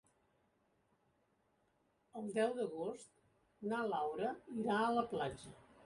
El deu d'agost na Laura irà a la platja.